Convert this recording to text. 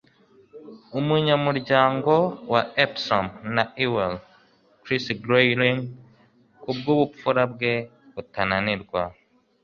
Umunyamuryango wa Epsom na Ewell (Chris Grayling) kubwubupfura bwe butananirwa.